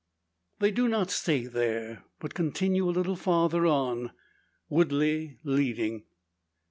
They do not stay there; but continue a little farther on, Woodley leading.